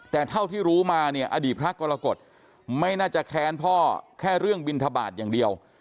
แต่เท่าที่รู้มาเนี่ยอดีตพระกรกฎไม่น่าจะแค้นพ่อแค่เรื่องบินทบาทอย่างเดียว